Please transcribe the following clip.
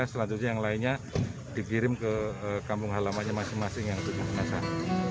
selanjutnya yang lainnya dikirim ke kampung halamannya masing masing yang tujuh jenazah